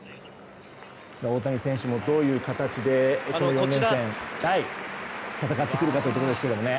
大谷選手もどういう形で戦ってくるかというところですけどね。